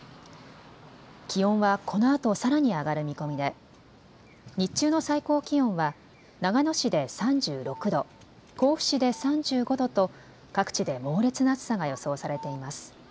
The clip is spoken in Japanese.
気温はこのあとさらに上がる見込みで日中の最高気温は長野市で３６度、甲府市で３５度と各地で猛烈な暑さが予想されています。